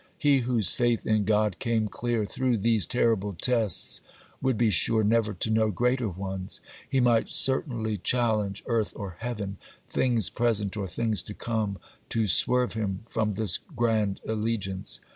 He whose faith in God came clear through these terrible tests, would be sure never to know greater ones. He might certainly challenge earth or heaven, things present or things to come, to swerve him from this grand allegiance.